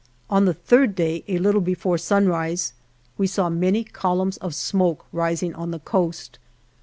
On the third day, a little before sunrise, we saw many col umns of smoke rising on the coast.